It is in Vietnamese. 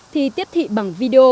thì tiếp thị bằng video